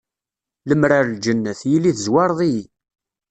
Lemmer ar lǧennet, yili tezwareḍ-iyi.